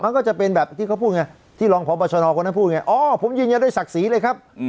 มันก็จะเป็นแบบที่เขาพูดไงที่รองพบณพูดไงอ่อผมยืนยันด้วยศักดิ์ศักดิ์ศีร์เลยครับ